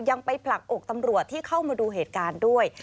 ยังไปผลักอกตำรวจที่เข้ามาดูเหตุการณ์ด้วย